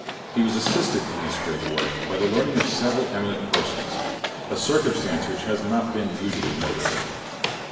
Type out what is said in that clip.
He was assisted in this great work by the learning of several eminent persons, a circumstance which has not been usually noticed.